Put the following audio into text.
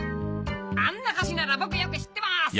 安中市なら僕よく知ってます！